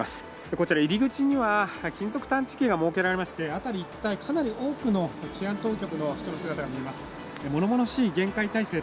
こちら入り口には金属探知機が設けられまして辺り一帯かなり多くの治安当局の人の姿が見えます。